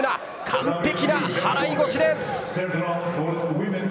完璧な払腰です。